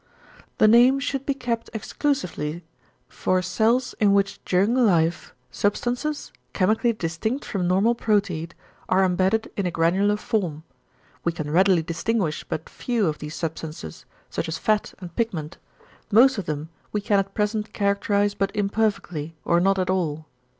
The name should be kept exclusively for cells in which during life substances, chemically distinct from normal proteid, are embedded in a granular form. We can readily distinguish but few of these substances, such as fat and pigment; most of them we can at present characterise but imperfectly, or not at all."